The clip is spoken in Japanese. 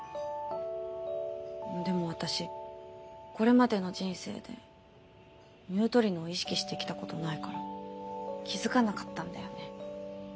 でも私これまでの人生でニュートリノを意識してきたことないから気付かなかったんだよね。